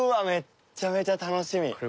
めっちゃめちゃ楽しみ。